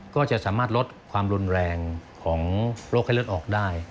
ก็จะสามารถลดความรุนแรงของโรคไข้เลือดออกได้